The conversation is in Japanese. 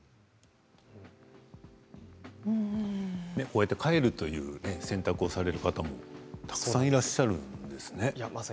こうやって、帰るという選択をされる方もたくさんいらっしゃるんですね。